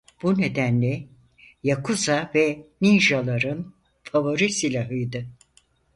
Bu nedenle "yakuza" ve "ninja"ların favori silahıydı.